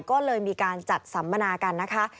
ก็เลยมีการจัดสัมมนากันนะคะ